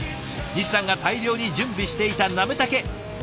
西さんが大量に準備していたなめたけ。